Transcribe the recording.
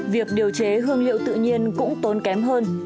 việc điều chế hương liệu tự nhiên cũng tốn kém hơn